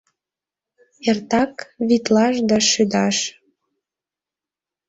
Эртак витлаш да шӱдаш.